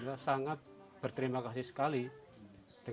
dengan orang yang berpengalaman dan yang berpengalaman